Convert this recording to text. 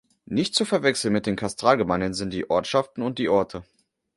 Nicht zu verwechseln mit den Katastralgemeinden sind die Ortschaften und die Orte.